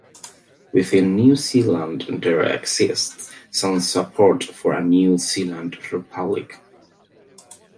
Within New Zealand there exists some support for a New Zealand republic.